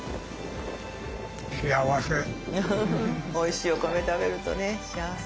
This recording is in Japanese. おいしいお米食べるとねしあわせ。